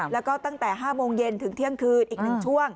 แล้วก็ตั้งแต่๕โมงเย็นถึงเที่ยงคืนอีก๑ช่วง